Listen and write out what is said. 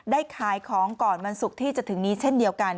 ขายของก่อนวันศุกร์ที่จะถึงนี้เช่นเดียวกัน